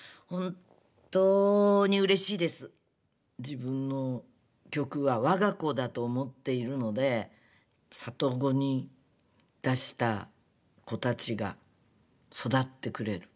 「自分の曲はわが子だと思っているので里子に出した子たちが育ってくれる。